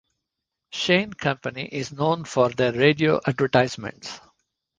Shane Company is known for their radio advertisements.